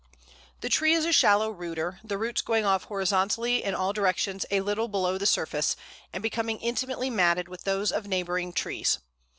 The tree is a shallow rooter, the roots going off horizontally in all directions a little below the surface, and becoming intimately matted with those of neighbouring trees.